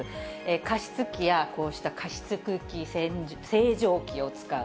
加湿器やこうした加湿空気清浄機を使う。